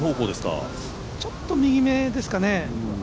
ちょっと右めですかね。